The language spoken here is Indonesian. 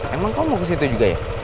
emang kamu mau ke situ juga ya